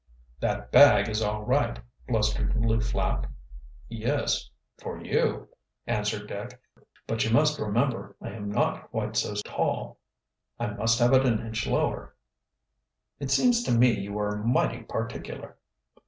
"That bag is all right," blustered Lew Flapp. "Yes for you," answered Dick. "But you must remember, I am not quite so tall. I must have it an inch lower." "It seems to me you are mighty particular."